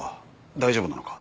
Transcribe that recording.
大丈夫なのか？